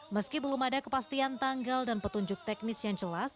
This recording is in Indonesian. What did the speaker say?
meski belum ada kepastian tanggal dan petunjuk teknis yang jelas